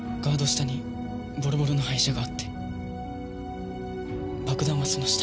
下にボロボロの廃車があって爆弾はその下に。